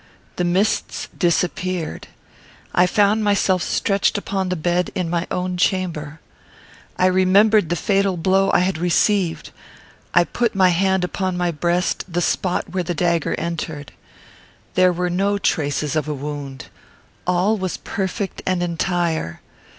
The mists disappeared, and I found myself stretched upon the bed in my own chamber. I remembered the fatal blow I had received. I put my hand upon my breast; the spot where the dagger entered. There were no traces of a wound. All was perfect and entire.